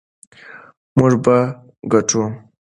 موږ به ګټو.